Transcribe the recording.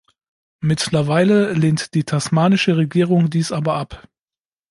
Mittlerweile lehnt die tasmanische Regierung dies aber ab.